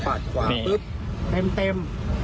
พอปาดขวาปึ๊บเต็ม